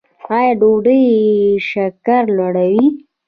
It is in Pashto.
ایا ډوډۍ شکر لوړوي؟